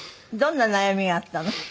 どんな悩みがあったの？